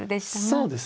そうですね。